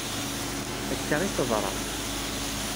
Akka i teḍra.